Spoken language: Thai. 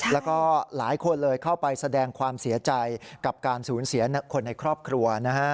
แล้วก็หลายคนเลยเข้าไปแสดงความเสียใจกับการสูญเสียคนในครอบครัวนะฮะ